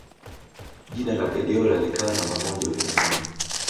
jina la guardiola likawa namba moja ulimwenguni